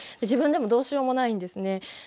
自分でもどうしようもないんですね。